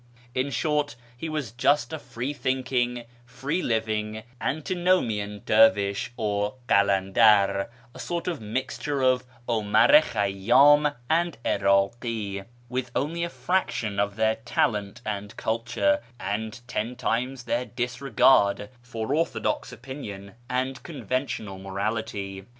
In short, he was just a free thinking, free living, antinomian dervish or kalandar, a sort of mixture of 'Omar i Khayyam and 'Iraki, with only a fraction of their talent and culture, and ten times their disregard for orthodox opinion and conventional morality.